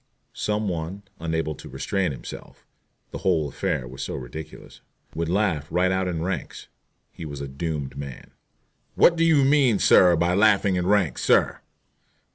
Some one, unable to restrain himself the whole affair was so ridiculous would laugh right out in ranks. He was a doomed man. "What do you mean, sir, by laughing in ranks, sir?"